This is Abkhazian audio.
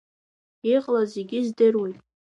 Иҟалаз зегьы здыруеит.